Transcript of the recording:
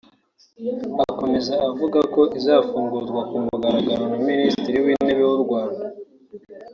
Akomeza avuga ko izafungurwa ku mugaragaro na Minisitiri w’Intebe w’u Rwanda